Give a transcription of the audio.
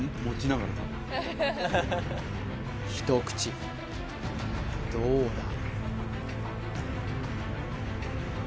一口どうだ？